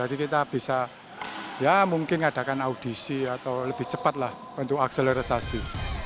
jadi kita bisa ya mungkin ngadakan audisi atau lebih cepat lah untuk akselerasasi